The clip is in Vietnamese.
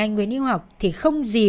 anh nguyễn yêu học thì không gì